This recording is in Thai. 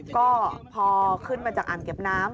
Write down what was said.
ก็พอขึ้นมาจากอ่างเก็บน้ำ